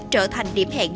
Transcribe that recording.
trở thành điểm hẹn